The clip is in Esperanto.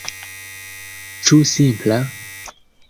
Ĉu simpla?